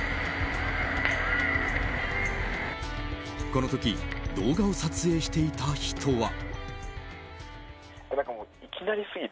この時動画を撮影していた人は。